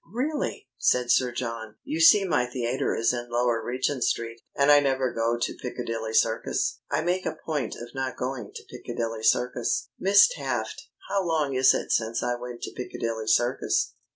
"Really!" said Sir John. "You see my theatre is in Lower Regent Street, and I never go to Piccadilly Circus. I make a point of not going to Piccadilly Circus. Miss Taft, how long is it since I went to Piccadilly Circus?